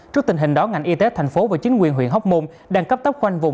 trước tình hình đó ngành y tế thành phố và chính quyền huyện hóc môn đang cấp tốc khoanh vùng